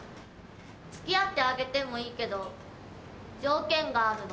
付き合ってあげてもいいけど条件があるの。